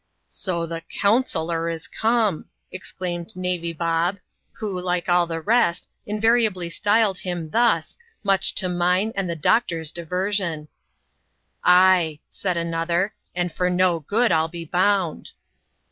" So the counsellor, is come," exclaimed Navy Bob, who, like all the rest, invariably styled him thus, much to mine and the doctor's diversion. " Ay," said another, " and for no good, I'll be bound."